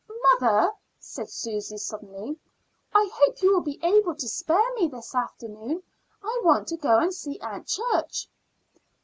"Mother," said Susy suddenly, "I hope you will be able to spare me this afternoon. I want to go and see Aunt Church."